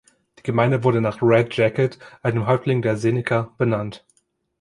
Die Gemeinde wurde nach Red Jacket, einem Häuptling der Seneca, benannt.